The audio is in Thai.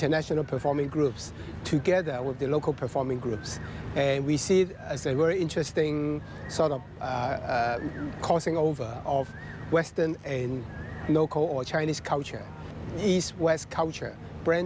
และเป็นช่วงสมวงดีที่พันธ์อ่าน